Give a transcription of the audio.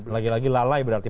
lagi lagi lalai berarti